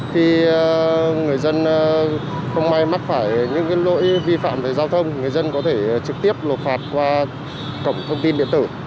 khi người dân không may mắc phải những lỗi vi phạm về giao thông người dân có thể trực tiếp lột phạt qua cổng thông tin điện tử